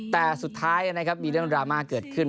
แต่สุดท้ายนะครับมีเรื่องดราม่าเกิดขึ้น